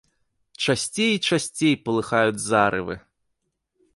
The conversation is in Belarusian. Часцей і часцей палыхаюць зарывы.